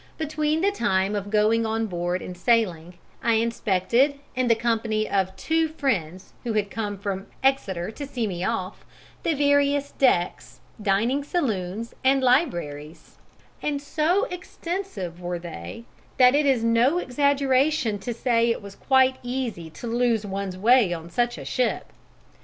Between the time of going on board and sailing, I inspected, in the company of two friends who had come from Exeter to see me off, the various decks, dining saloons and libraries; and so extensive were they that it is no exaggeration to say that it was quite easy to lose one's way on such a ship.